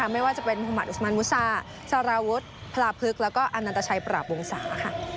ไม่ว่าจะเป็นหมาดอุสมันมุษาสารวุฒิพระพฤกษ์และอันนัตชัยประหลาบวงศา